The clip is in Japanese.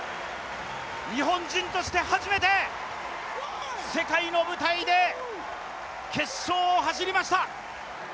日本人として初めて世界の舞台で決勝を走りました。